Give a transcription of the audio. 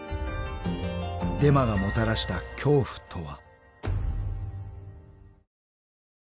［デマがもたらした恐怖とは？］